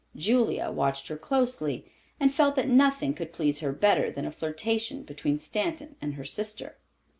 Julia watched her closely and felt that nothing could please her better than a flirtation between Stanton and her sister.